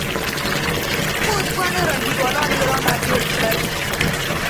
خو دوه نور انډيوالان يې رانه بېل کړل.